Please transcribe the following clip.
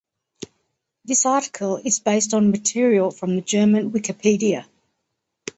This article is based on material from the German Wikipedia.